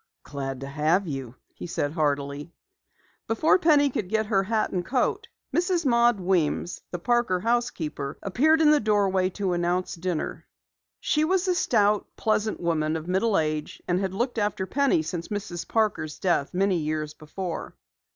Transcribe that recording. "Glad to have you," he said heartily. Before Penny could get her hat and coat, Mrs. Maud Weems, the Parker housekeeper, appeared in the doorway to announce dinner. She was a stout, pleasant woman of middle age and had looked after Penny since Mrs. Parker's death many years before.